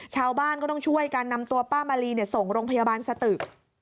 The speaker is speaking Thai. ชาวบ้านก็ต้องช่วยกันนำตัวป้ามาลีส่งโรงพยาบาลสตึก